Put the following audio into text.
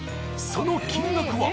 その金額は？